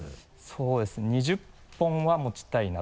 そうですね２０本は持ちたいなと。